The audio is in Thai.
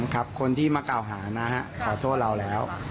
ครับคนที่มาเก่าหานะครับขอโทษเราแล้ว